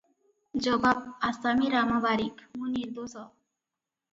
ଜବାବ ଆସାମୀ ରାମ ବାରିକ - ମୁଁ ନିର୍ଦ୍ଦୋଷ